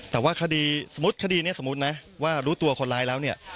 แต่ว่าคดีสมมุติคดีนี้สมมุตินะว่ารู้ตัวคนร้ายแล้วเนี่ย